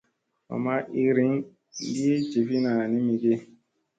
Va ma iirigi jivina ni mi ge.